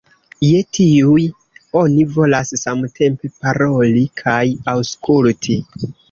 Je tiuj oni volas samtempe paroli kaj aŭskulti.